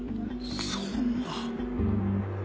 そんな。